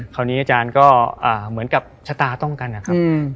คราวนี้อาจารย์ก็เหมือนกับชะตาต้องกันนะครับ